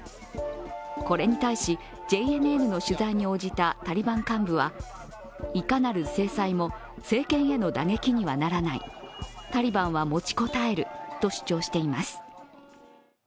これに対し、ＪＮＮの取材に応じたタリバン幹部は以下なり制裁も政権への打撃にはならないタリバンは持ちこたえると主張しています。